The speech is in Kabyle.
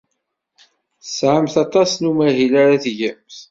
Tesɛamt aṭas n umahil ara tgemt.